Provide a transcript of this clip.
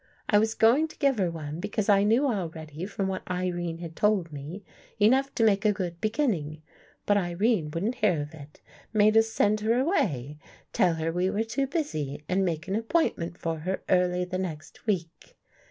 I was going to give her one, because I knew already from what Irene had told me, enough to make a good beginning. But Irene wouldn't hear of it — made us send her away; tell her we were too busy and make an appointment for her early the next week.